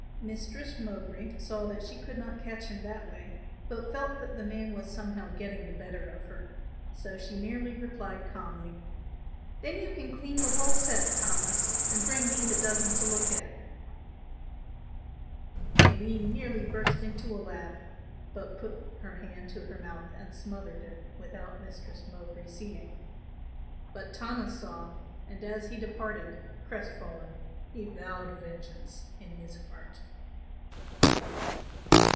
Mistress Mowbray saw that she could not catch him that way, but felt that the man was somehow getting the better of her, so she merely replied calmly, "Then you can clean the whole set, Thomas, and bring me the dozen to look at." Aline nearly burst into a laugh, but put her hand to her mouth and smothered it without Mistress Mowbray seeing; but Thomas saw and as he departed, crest fallen, he vowed vengeance in his heart.